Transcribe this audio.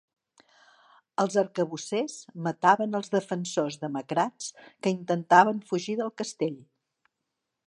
Els arcabussers mataven els defensors demacrats que intentaven fugir del castell.